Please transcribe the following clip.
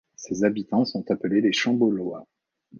Ses habitants sont appelés les Chambollois.